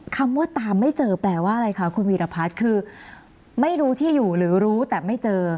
คำว่าตามไม่เจอแปลว่าอะไรคะคุณวีรพัฒน์คือไม่รู้ที่อยู่หรือรู้แต่ไม่เจอ